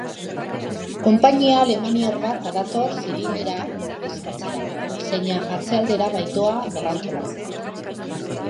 Konpainia alemaniar bat badator Siryrena ordezkatzera, zeina atzealdera baitoa berrantolatzeko.